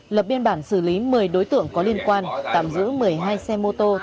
lập biên bản xử lý một mươi đối tượng có liên quan tạm giữ một mươi hai xe mô tô